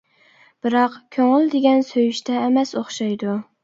بىراق، كۆڭۈل دېگەن سۆيۈشتە ئەمەس ئوخشايدۇ.